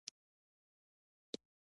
فرهنګ د هغه په ذهن جوړولو کې مرسته کوي